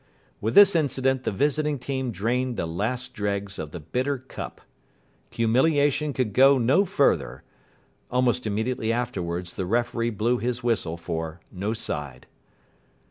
With this incident the visiting team drained the last dregs of the bitter cup. Humiliation could go no further. Almost immediately afterwards the referee blew his whistle for "No side".